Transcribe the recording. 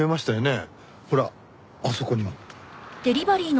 ほらあそこにも。